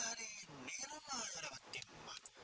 dari niranya dapat tim pak